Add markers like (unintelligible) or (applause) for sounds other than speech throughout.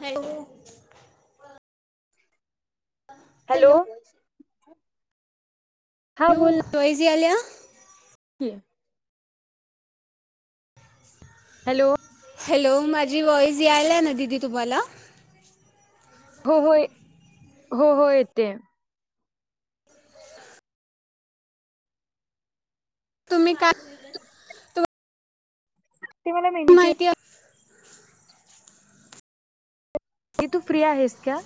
Hello. Hello. हा बोल ना. (unintelligible) आल्या? (unintelligible) हॅलो. हॅलो. माझी वॉईज यायला आहे ना दिदी तुम्हाला? हो हो. हो हो. येतेये. तुम्ही काय- त तुम्हाला तुम्हाला मेनिक्युअर - ते- ती तू फ्री आहेस का?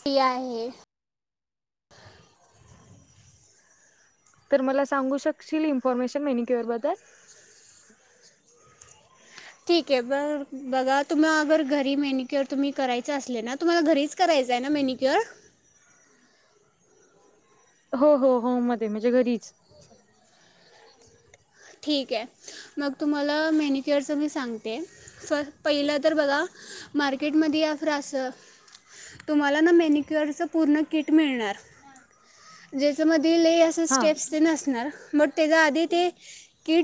फ्री आहे. तर मला सांगू शकशील? इन्फॉर्मेशन मेनिक्युअर बद्दल. ठीक आहे. बर बघा तुम्हाला अगर घरी मेनक्युअर तुम्ही करायच असले ना? तुम्हाला घरीच- करायचय ना मेनिक्युअर? हो हो हो मधे म्हणजे घरीच. (unintelligible) ठीक आहे. मग तुम्हाला मेनिक्युअरचं मी सांगते. फ पहिलं तर बघा- मार्केटमध्ये फ्र असं- तुम्हाला ना मेनिक्युअरच पूर्ण किट मिळणार. ज्याच्यामध्ये लई - अशा हा स्टेप्स ते नसणार. बट त्याच्या आधी ते-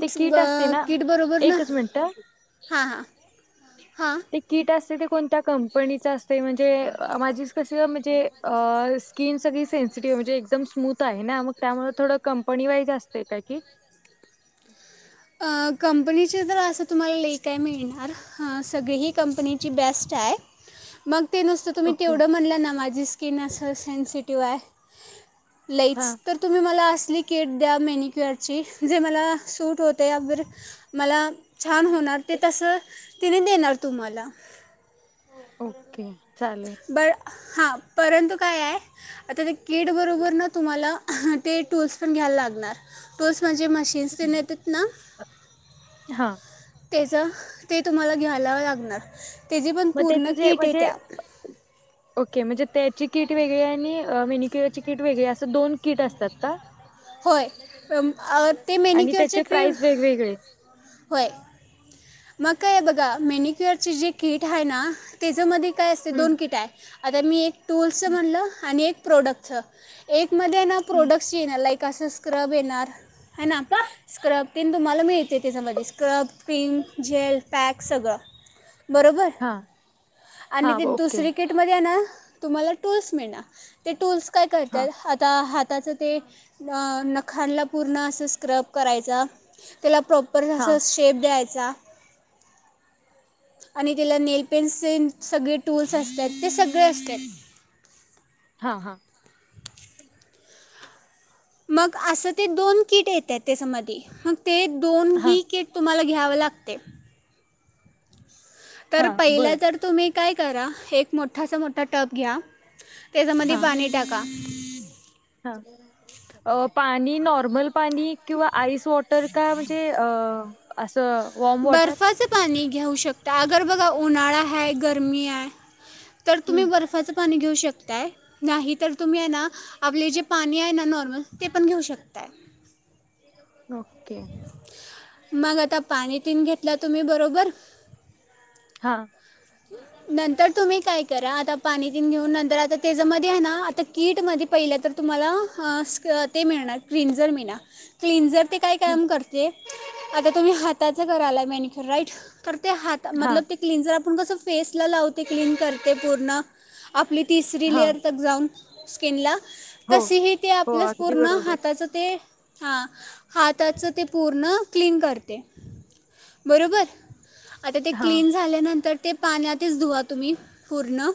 ते ब किट असते ना किटबरोबर ना? एकच मिनिट हां हां हां. ते किट असते ते कोणत्या कंपनीचं असत? म्हणजे माझी कस म्हणजे अ? स्किन सगळी सेन्सिटिव्ह म्हणजे एकदम स्मूथ आहे ना, मग त्यामुळे थोडं कंपनी वाईज असते काय की. आं. कंपनीची तर असं तुम्हाला नाही काही मिळणार. हां. सगळीही कंपनीची बेस्ट आहे. मग- ते नुसतं तुम्ही ओके तेवढं म्हणलं ना, माझी स्किन असं सेन्सिटिव्ह आहे. हा लईच, तर तुम्ही मला असली किट द्या मेनिक्युअरची जे मला सूट होत- त्यावर. मला छान होणार ते तसं त्यानी देणार तूम्हाला. ओके. चालेल. बरं. हां. परंतु काय आहे आता ते कीट बरोबर ना- तुम्हाला ते टूल्स पण घ्यायला लागणार. टूल्स म्हणजे- (unintelligible) येतात ना हा - त्याचं. ते तुम्हाला घ्यायला लागणार. त्याची पण मग त्याच पूर्ण जे किट आहे म्हणजे त्या- ओके म्हणजे त्याची किट वेगळी आणि मेनिक्युअरची कीट वेगळी असं दोन किट असतात का? होय. ते मेनिक्युअरचे क्रीम- वेगळे. होय. मग काय हे बघा, मेनिक्युअरचे जे कीट आहे ना? त्याच्यामध्ये काय असते. हं, दोन किटा आहे आता मी एक टूल्सच हं, म्हणलं आणि एक प्रोडक्टचं. एकमध्ये ना हं. प्रोडक्ट्स येणार लाईक असं स्क्रब येणार है ना? स्क्रब- ते तुम्हाला मिळते त्याच्यामध्ये स्क्रब, क्रिम, जेल, पॅक सगळं. बरोबर. हां, आणि हां, ती ओके. दुसरी- किटमध्ये आहे ना तुम्हाला टूल्स मिळणार. ते टूल्स काय हां, करतात? हाता - आता हाताचं ते नखांला पूर्ण असं स्क्रब करायचा. त्याला प्रॉपर हां, असा शेप द्यायचा. (inaudible) आणि त्याला नेल पेन्स सेम सगळे टूल्स असतात ते सगळे असत. हा हा मग आसं ते दोन किट येत्यात त्याचमधी म ते दोन हां, ही किट तुम्हाला घ्यावं लागते. तर हां, पहिलं बरं. तर तुम्ही काय करा एक मोठासा मोठा टप घ्या. त्याजामध्ये हां, पाणी टाका. अ पाणी नॉर्मल पाणी किंवा आईस वॉट तर का म्हणजे अ असं वॉर्म वॉटर? बर्फाचं पाणी घेऊ शकता अगर बघा उन्हाळा हाय गरमी आयं तर तुम्ही हं, बर्फाचं पाणी घेऊ शकताय. नाही तर तुम्ही हाय ना आपले जे पाणी आहे ना नॉर्मल ते पण घेऊ शकताय. ओके. मग आता पाणी तिनं घेतल्या तुम्ही बरोबर हा नंतर तुम्ही काय करा आता पाणी तिनं घेऊन नंतर आता त्याजामध्ये हाय ना आता कीट मध्ये पहिल तर तुम्हाला अ स्क ते मिळणार क्लिनझर मिळणार क्लिनझर ते काय हं, काम करते. आता तुम्ही हाताच करालाय मेनिक्यू राईट तर ते हात हां, मधलं ते क्लिजर आपण कस फेस ला लावते क्लीन करते पूर्ण आपली तिसरी हां. लेअर तकं जाऊन. स्किनला हो, तशीही ते हो. आपल्या अगदी पूर्ण बरोबर. हाताच ते हा हाताचं ते पूर्ण क्लीन करते. बरोबर आता ते हां, क्लीन झाल्यानंतर ते पाण्यातच धुवा तुम्ही पूर्ण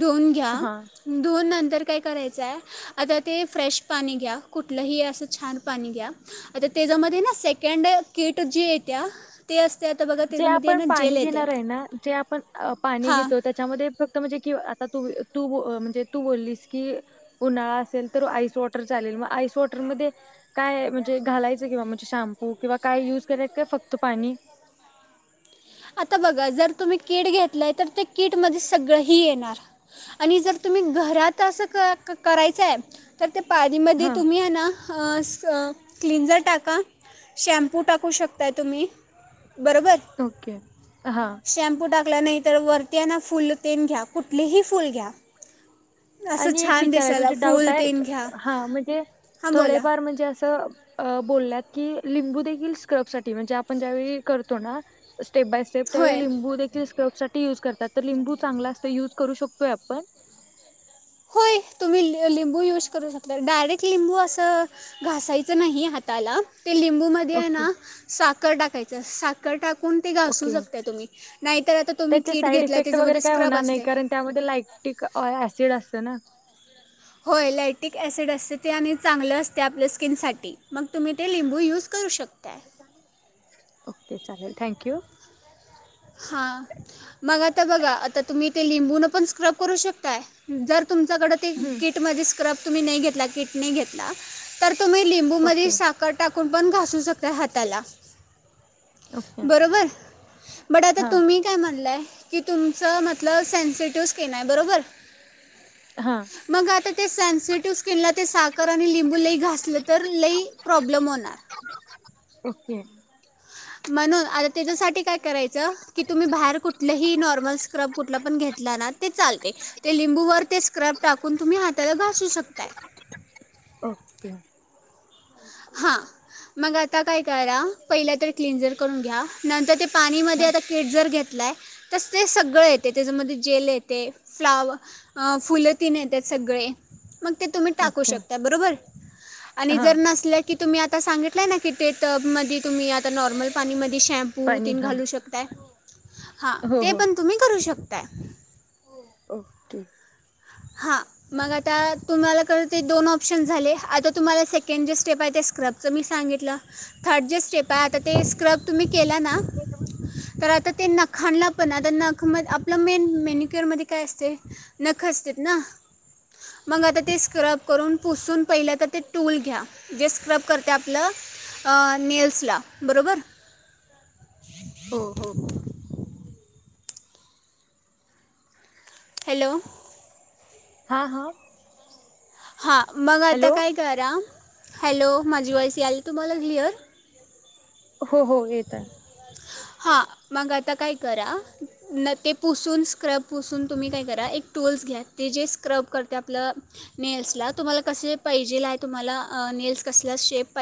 धुऊन घ्या. हां. धुवून नंतर काय करायचय. आता ते फ्रेश पाणी घ्या. कुठलंही असं छान पाणी घ्या. आता त्याजामध्ये ना सेकंड कीट जी येत्या ते असतयं आता बघा त्याजामध्ये ना जेल येते. तेे आपण अ पाणी हां घेतो त्या च्यामध्ये फक्त म्हणजे की आता तू तू म्हणजे तू बोललीस की, उन्हाळा असेल तर आईस वॉटर चालेल म आईस वॉटरमध्ये काय म्हणजे घालायचं किंवा म्हणजे शॅम्पू किंवा काय युज कराय काय फक्त पाणी. आता बघा जर तुम्ही किट घेतलय तर ते किट मध्ये सगळंही येणार. आणि जर तुम्ही घरात असं क क करायचंय तर त्या पाणीमध्ये हां, तुम्ही हाय ना अ स क्लिनझर टाका शॅम्प पू टाकू शकताय तुम्ही बरोबर ओके हा शॅम्पू टाकला नाही तर वरती हाय ना फुल तेन घ्या कुठलीही फुल घ्या. असं आणि एक छान विचारयं दिसायला म्हणजे डाऊट फुल हाय तेन घ्या हा म्हणजे हां बोला थोडेफार म्हणजे असं अ बोलल्यात की लिंबू देखील स्क्रब साठी म्हणजे आपण ज्यावेळी करतो ना स्टेप बाय त त्यावेळी होय लिंबू देखील स्क्रब साठी युज करतात तर लिंबू चांगला असतो युज करू शकतोय आपण. होय तुम्ही लि लिंबू यूज करू शकता डायरेक्ट लिंबू असं घासायचं नाही हात ताला ते लिंबूमध्ये हाय ओके ना साखर टाकायचं सा कर टाकून ते घासू ओके शकता तुम्ही नाहीतर आता तुम्ही त्याचे किट साईड घेतलाय इफेक्ट त्याजामध्ये वगैरे काय स्क्रब होणार नाही असते. कारण त्यामध्ये लाइक्टिक अ ऍसिड असत ना. होय लायटिक ॲसिड असते ते आणि चांगलं असते आपल्या स्किनसाठी मग तुम्ही ते लिंबू यूज करू शकताय. ओके चालेल थँक यू. हा! मग आता बघा आता तुम्ही ते लिंबून पण स्क्रब करू शकताय, जर तुमच्याकडं हम्म किट म स्क्रब तुम्ही नाही घेतला किटने घेतला तर तुम्ही लिंबूमध्ये ओके साख क टाकून पण घासू शकताय पण हाताला. ओके बरोबर बट आता हां तुम्ही काय म्हणलंय की तुमचं मतल सेनसिटिव स्किन आहे बरोबर? हां. मग आता ते सेन्सिटिव स्किनला ते साखर आणि लिंबू लई घासलं तर लई प्रॉब्लेम होणार? ओके! म्हणून आ तेच्यासाठी काय करायचं की तुम्ही बाहेर कुठलंही नॉर्मल स्क्रब कुठला पण घेतला ना ते चालतय. ते लिंबूवर ते स्क्रब टाकून तुम्ही हाताला घासू शकताय? ओके! हा मग आता काय करा पहिला तर ते क्लिंजर करून घ्या. नंतर पाणी मध्ये हां आता किट जर घेतलाय. तस ते सगळं येते त्याच्यामध्ये जेल येते, फ्लाव अ फुल तीन येत्यात सगळे मग ते तुम्ही टाकू ओके शकताय बरोबर. आणि हां जर नसल्या की तुम्ही आता सांगितलंय ना की ते टब मध्ये तुम्ही आता नॉर्मल पाणीमध्ये शॅम् पू पाणी तीन हां घालू शकताय. हा हो ते हो पण तुम्ही करू शकताय. ओके! हा. मग आता तुम्हाला खरं ते दोन ऑप्शन झाले. आता तुम्हाला सेकंड जे स्टेप आहे ते स्क्रब? मी सांगितलं थर्ड जे स्टेप आहे आता ते स्क्रब तुम्ही केला ना? तर आता ते नखा आणलं पण आता नख आपलं मेन मेन्यक्युअर मध्ये काय असते? नख असते ना. मग आता ते स्क्रब करून पुसून पहिलं तर ते टूल घ्या. जे स्क्रब करते आपलं अ नेल्सला बरोबर. हो हो! हॅलो! हा हा! हां मग आता काय करा हॅलो माझी वॉयस याली तुम्हाला क्लिअर? हो हो येत आहे? हा मग आता काय करा? न ते पुसून स्क्रब पुसून तुम्ही काय करा एक टूल्स घ्या. ते जे स्क्रब करते आपलं नेल्स ला तुम्हाला कसे पाहिजेल आहे तुम्हाला नेल्स कसला शेप पाहिजे.